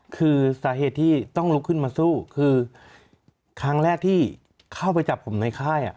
คือสาเหตุที่ต้องลุกขึ้นมาสู้คือครั้งแรกที่เข้าไปจับผมในค่าย